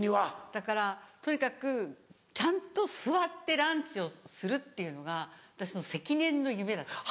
だからとにかくちゃんと座ってランチをするっていうのが私の積年の夢だったんです。